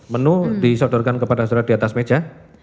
menu disodorkan kepada saudara di atas meja